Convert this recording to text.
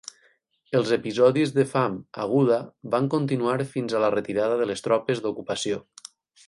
Els episodis de fam aguda van continuar fins a la retirada de les tropes d'ocupació.